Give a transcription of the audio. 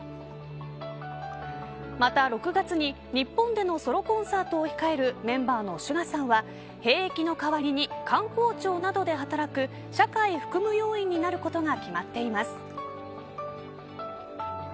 また６月に日本でのソロコンサートを控えるメンバーのＳＵＧＡさんは兵役の代わりに観光庁などで働く社会服務要員になることが決まっています。